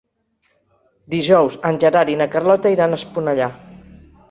Dijous en Gerard i na Carlota iran a Esponellà.